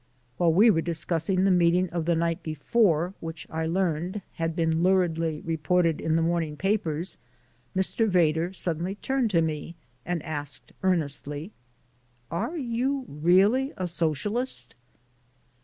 While we were discussing the meeting of the night before which, I learned, had been luridly reported in the morning papers, Mr. Vedder suddenly turned to me and asked earnestly: "Are you really a Socialist?"